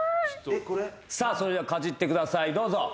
さぁそれではかじってくださいどうぞ。